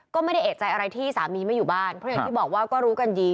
ก็ไม่ได้เอกใจอะไรที่สามีไม่อยู่บ้านเพราะอย่างที่บอกว่าก็รู้กันดี